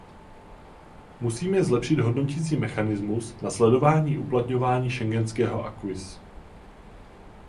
Musíme zlepšit hodnotící mechanismus na sledování uplatňování schengenského acquis.